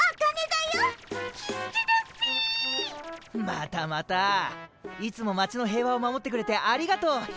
またまたいつも町の平和を守ってくれてありがとうヒーロー。